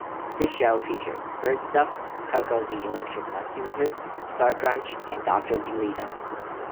This show featured Birdstuff, Coco the Electric Monkey Wizard, Star Crunch and Doctor Deleto.